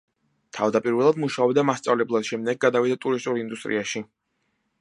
თავდაპირველად მუშაობდა მასწავლებლად, შემდეგ გადავიდა ტურისტულ ინდუსტრიაში.